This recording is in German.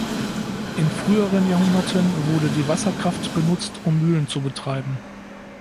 In früheren Jahrhunderten wurde die Wasserkraft benutzt, um Mühlen zu betreiben.